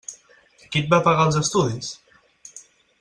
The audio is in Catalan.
Qui et va pagar els estudis?